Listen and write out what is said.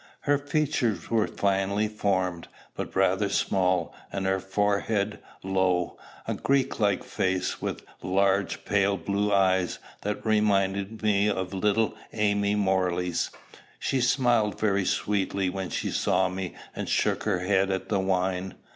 Her features were finely formed, but rather small, and her forehead low; a Greek like face, with large, pale blue eyes, that reminded me of little Amy Morley's. She smiled very sweetly when she saw me, and shook her head at the wine.